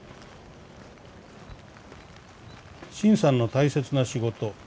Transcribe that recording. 「沈さんの大切な仕事。